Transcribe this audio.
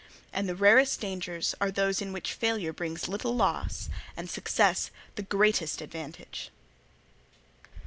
And the rarest dangers are those in which failure brings little loss and success the greatest advantage."